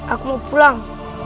aku mau pulang